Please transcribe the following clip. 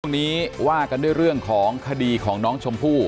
นี้ว่ากันด้วยเรื่องของคดีของน้องชมพู่